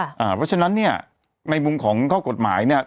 เพราะฉะนั้นเนี่ยในมุมของข้อกฎหมายเนี่ย